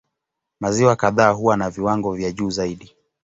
Maziwa kadhaa huwa na viwango vya juu zaidi.